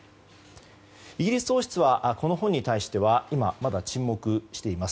イギリス王室はこの本に対しては今、まだ沈黙しています。